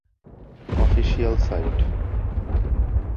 official site